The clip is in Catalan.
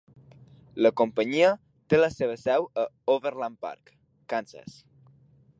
La companyia té la seva seu a Overland Park, Kansas.